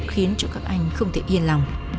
khiến cho các anh không thể yên lòng